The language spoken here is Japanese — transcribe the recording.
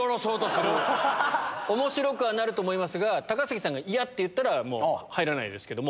おもしろくはなると思いますが、高杉さんが嫌って言ったら、もう、入らないですけれども。